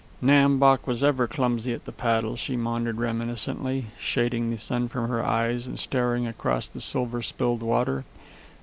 "Nam Bok was ever clumsy at the paddle," she maundered reminiscently, shading the sun from her eyes and staring across the silver spilled water.